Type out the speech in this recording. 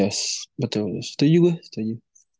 yes betul setuju gue setuju